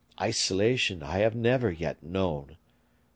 Isolation I have never yet known.